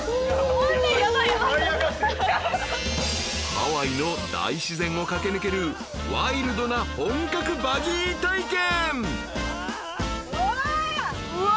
［ハワイの大自然を駆け抜けるワイルドな本格バギー体験］